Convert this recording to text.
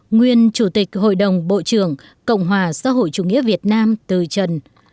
nguyên chủ tịch hội đồng bộ trưởng cộng hòa xã hội chủ nghĩa việt nam từ trần